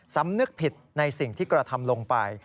สำนึกผิดในสิ่งที่กระทำลงไป